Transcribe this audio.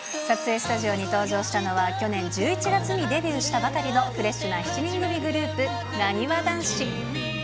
撮影スタジオに登場したのは、去年１１月にデビューしたばかりのフレッシュな７人組グループ、なにわ男子。